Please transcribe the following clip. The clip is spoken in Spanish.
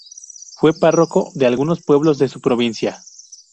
Fue párroco de algunos pueblos de su provincia.